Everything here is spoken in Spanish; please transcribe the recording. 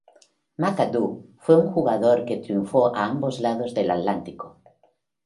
McAdoo fue un jugador que triunfó a ambos lados del Atlántico.